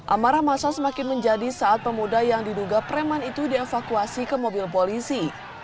amarah masa semakin menjadi saat pemuda yang diduga preman itu dievakuasi ke mobil polisi